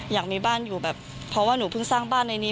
อยากมีบ้านอยู่แบบเพราะว่าหนูเพิ่งสร้างบ้านในนี้